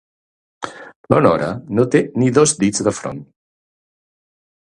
La Nora no té ni dos dits de front.